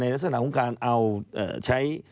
ลักษณะของการเอาใช้